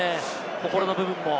心の部分も。